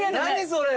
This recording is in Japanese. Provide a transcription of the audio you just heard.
それ。